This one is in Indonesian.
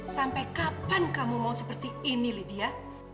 sampai kapan kamu mau seperti ini lydia